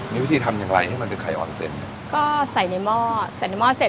มีวิธีทำอย่างไรให้มันเป็นไข่ออนเซ็นก็ใส่ในหม้อใส่ในหม้อเสร็จ